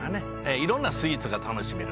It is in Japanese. いろんなスイーツが楽しめる。